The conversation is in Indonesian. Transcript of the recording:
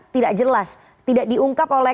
tidak jelas tidak diungkap oleh